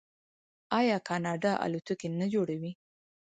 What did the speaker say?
آیا کاناډا الوتکې نه جوړوي؟